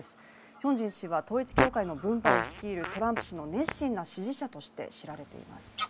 ヒョンジン氏は統一教会の分派を率いる、トランプ氏の熱心な支持者として知られています。